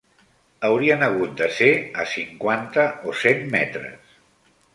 Haurien hagut de ser a cinquanta o cent metres.